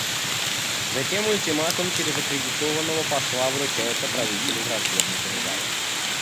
Затем ультиматум через аккредитованного посла вручается правителю враждебной державы.